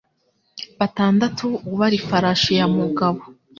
Batandatu ubara ifarashi ya Mugabo.